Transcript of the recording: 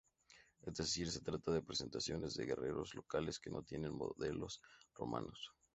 Es decir, se trata de representaciones de guerreros locales, que no tienen modelos romanos.